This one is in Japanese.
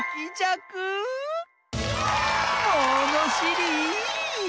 ものしり！